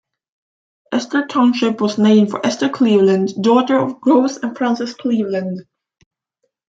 Esther Township was named for Esther Cleveland, daughter of Grover and Frances Cleveland.